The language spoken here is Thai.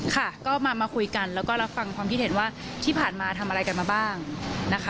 ค่ะก็มาคุยกันแล้วก็รับฟังความคิดเห็นว่าที่ผ่านมาทำอะไรกันมาบ้างนะคะ